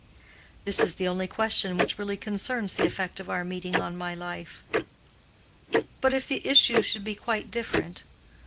This is the only question which really concerns the effect of our meeting on my life. "But if the issue should be quite different?